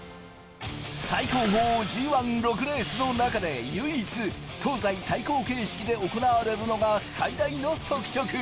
最高峰Ｇ１、６レースの中で唯一、東西対抗形式で行われるのが最大の特色。